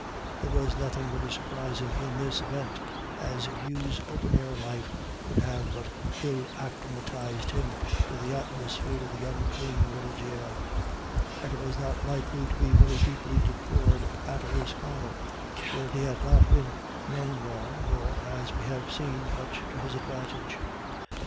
There was nothing very surprising in this event, as Hugh's open air life could have but ill acclimatised him to the atmosphere of the unclean little jail; and it was not likely to be very deeply deplored at Lisconnel, where he had not been known long, nor, as we have seen, much to his advantage.